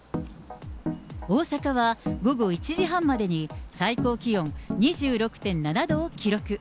大阪は午後１時半までに、最高気温２６．７度を記録。